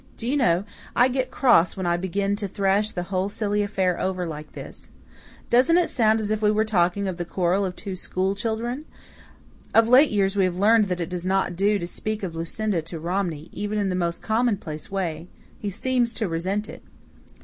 Do you know, I get cross when I begin to thrash the whole silly affair over like this. Doesn't it sound as if we were talking of the quarrel of two school children? Of late years we have learned that it does not do to speak of Lucinda to Romney, even in the most commonplace way. He seems to resent it."